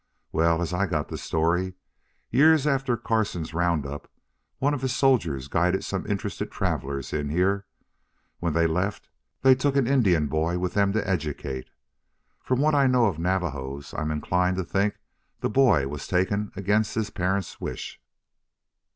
Well, as I got the story, years after Carson's round up one of his soldiers guided some interested travelers in here. When they left they took an Indian boy with them to educate. From what I know of Navajos I'm inclined to think the boy was taken against his parents' wish.